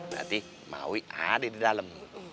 berarti maui ada di dalam